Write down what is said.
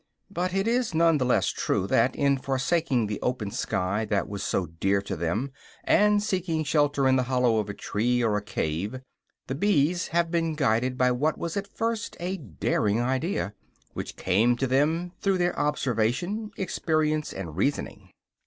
But it is none the less true that, in forsaking the open sky that was so dear to them, and seeking shelter in the hollow of a tree or a cave, the bees have been guided by what was at first a daring idea, which came to them through their observation, experience and reasoning.